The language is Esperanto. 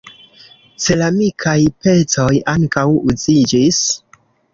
Ceramikaj pecoj ankaŭ uziĝis.